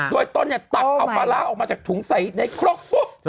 โดยตนตัดเอาปลาร้าออกมาจากถุงใส่ในครก